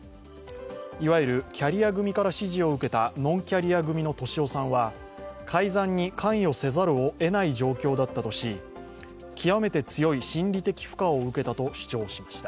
いわゆるキャリア組から指示を受けたノンキャリア組の俊夫さんは改ざんに関与せざるをえない状況だったとし極めて強い心理的負荷を受けたと主張しました。